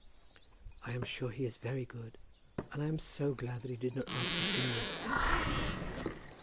"I am sure he is very good, and I am so glad he did not ask to see me," said Grace.